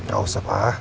gak usah pak